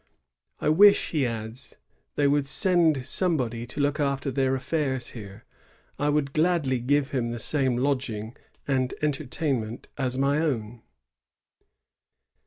"^ "I wish," he adds, "they would send somebody to look after their affairs here. I would gladly give him the same lodging and entertainment as my own."